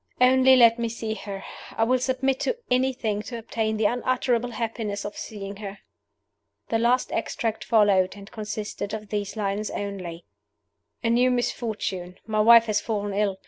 "Only let me see her! I will submit to anything to obtain the unutterable happiness of seeing her!" The last extract followed, and consisted of these lines only: "A new misfortune! My wife has fallen ill.